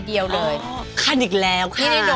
ผลิตจากอร์แกนิกและน้ำมะพร้าวบริสุทธิ์